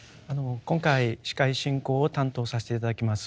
今回司会進行を担当させて頂きます